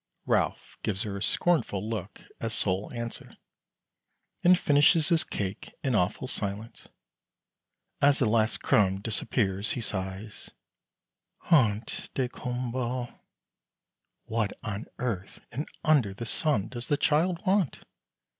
Ralph gives her a scornful look as sole answer, and finishes his cake in awful silence. As the last crumb disappears he sighs, "Ont daykumboa." "What on earth and under the sun does the child want!"